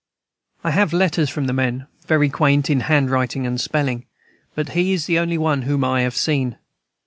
I have letters from the men, very quaint in handwriting and spelling; but he is the only one whom I have seen.